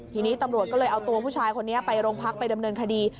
ทีนี้ตำรวจก็เลยเอาตัวผู้ชายคนนี้ไปโรงพักไปดำเนินคดี